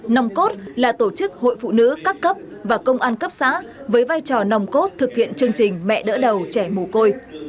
nòng cốt là tổ chức hội phụ nữ các cấp và công an cấp xã với vai trò nòng cốt thực hiện chương trình mẹ đỡ đầu trẻ mồ côi